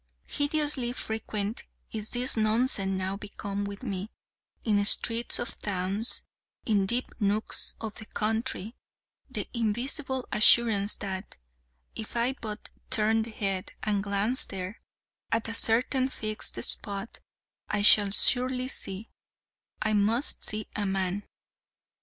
Hideously frequent is this nonsense now become with me in streets of towns in deep nooks of the country: the invincible assurance that, if I but turn the head, and glance there at a certain fixed spot I shall surely see I must see a man.